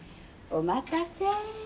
お待たせ。